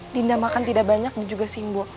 dinda makan tidak banyak dan juga simbo